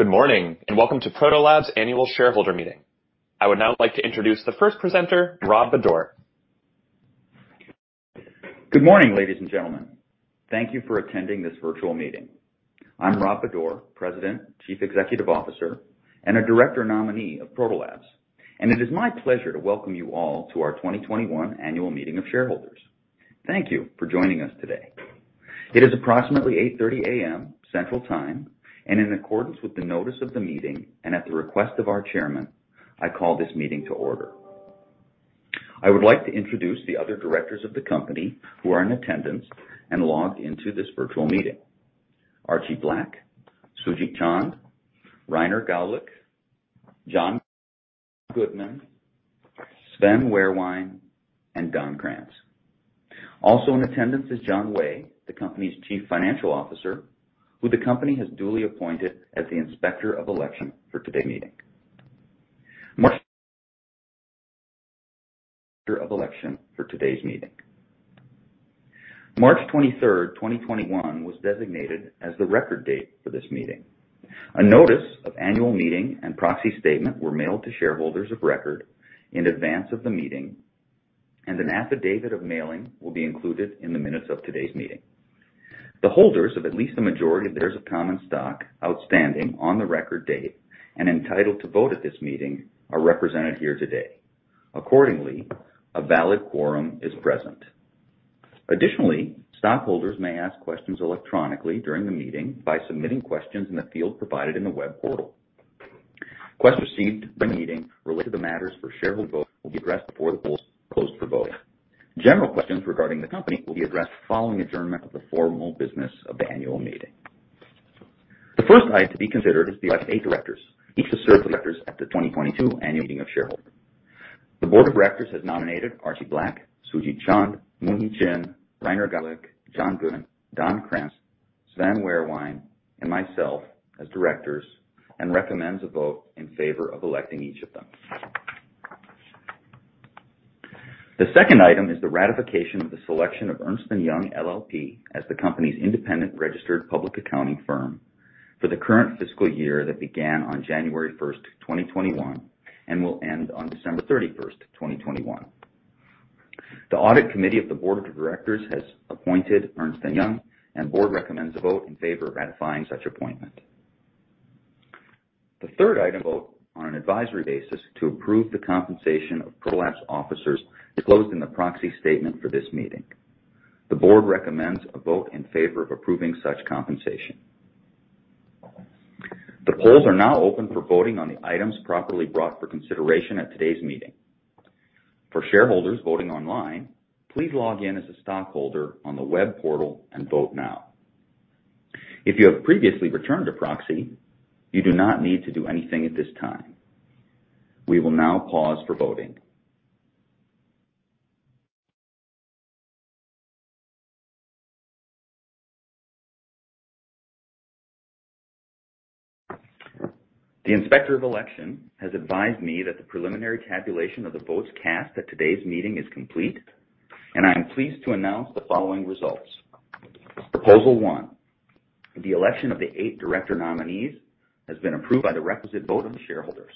Good morning, and welcome to Proto Labs' Annual Shareholder Meeting. I would now like to introduce the first presenter, Robert Bodor. Good morning, ladies and gentlemen. Thank you for attending this virtual meeting. I'm Robert Bodor, President, Chief Executive Officer, and a director nominee of Proto Labs. It is my pleasure to welcome you all to our 2021 Annual Meeting of Shareholders. Thank you for joining us today. It is approximately 8:30 A.M. Central Time, and in accordance with the notice of the meeting and at the request of our Chairman, I call this meeting to order. I would like to introduce the other directors of the company who are in attendance and logged in to this virtual meeting. Archie Black, Sujeeti Chand, Rainer Gawlick, John Goodman, Sven Wehrwein, and Don Krantz. Also in attendance is John Way, the company's Chief Financial Officer, who the company has duly appointed as the Inspector of Election for today's meeting. March 23rd, 2021 was designated as the record date for this meeting. A notice of annual meeting and proxy statement were mailed to shareholders of record in advance of the meeting, and an affidavit of mailing will be included in the minutes of today's meeting. The holders of at least the majority of shares of common stock outstanding on the record date and entitled to vote at this meeting are represented here today. Accordingly, a valid quorum is present. Additionally, stockholders may ask questions electronically during the meeting by submitting questions in the field provided in the web portal. Questions received during the meeting related to matters for shareholder vote will be addressed before the polls close for voting. General questions regarding the company will be addressed following adjournment of the formal business of the annual meeting. The first item to be considered is the election of directors, each to serve the directors at the 2022 Annual Meeting of Shareholders. The board of directors has nominated Archie Black, Suji Chand, Moonhie Chin, Rainer Gawlick, John Goodman, Don Krantz, Sven Wehrwein, and myself as directors, and recommends a vote in favor of electing each of them. The second item is the ratification of the selection of Ernst & Young LLP as the company's independent registered public accounting firm for the current fiscal year that began on January 1st, 2021 and will end on December31st, 2021. The audit committee of the board of directors has appointed Ernst & Young, and board recommends a vote in favor of ratifying such appointment. The third item vote on an advisory basis to approve the compensation of Proto Labs officers disclosed in the proxy statement for this meeting. The board recommends a vote in favor of approving such compensation. The polls are now open for voting on the items properly brought for consideration at today's meeting. For shareholders voting online, please log in as a stockholder on the web portal and vote now. If you have previously returned a proxy, you do not need to do anything at this time. We will now pause for voting. The Inspector of Election has advised me that the preliminary tabulation of the votes cast at today's meeting is complete, and I am pleased to announce the following results. Proposal one, the election of the eight director nominees has been approved by the requisite vote of the shareholders.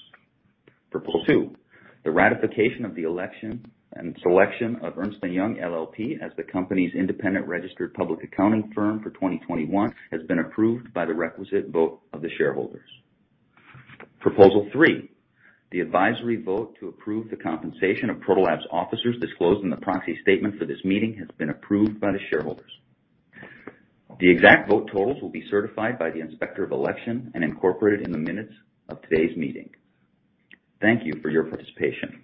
Proposal two, the ratification of the election and selection of Ernst & Young LLP as the company's independent registered public accounting firm for 2021 has been approved by the requisite vote of the shareholders. Proposal three, the advisory vote to approve the compensation of Proto Labs officers disclosed in the proxy statement for this meeting has been approved by the shareholders. The exact vote totals will be certified by the Inspector of Election and incorporated in the minutes of today's meeting. Thank you for your participation.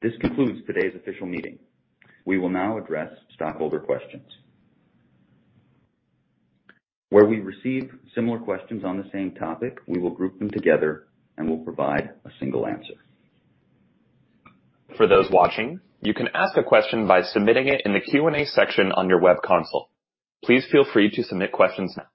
This concludes today's official meeting. We will now address stockholder questions. Where we receive similar questions on the same topic, we will group them together and will provide a single answer. For those watching, you can ask a question by submitting it in the Q&A section on your web console. Please feel free to submit questions now.